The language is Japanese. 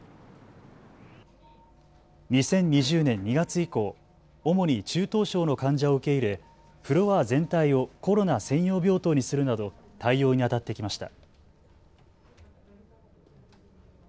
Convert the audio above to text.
２０２０年２月以降、主に中等症の患者を受け入れフロア全体をコロナ専用病棟にするなど対応にあたってきました。